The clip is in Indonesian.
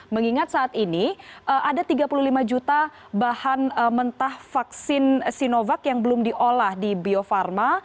mengingat saat ini ada tiga puluh lima juta bahan mentah vaksin sinovac yang belum diolah di bio farma